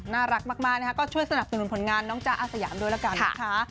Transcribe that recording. น่ารักมากนะคะก็ช่วยสนับสนุนผลงานน้องจ๊ะอาสยามด้วยละกันนะคะ